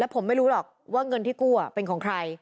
ผมไม่รู้หรอกว่าเงินที่กู้เป็นของใคร